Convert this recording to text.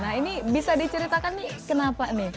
nah ini bisa diceritakan nih kenapa nih